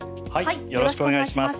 よろしくお願いします。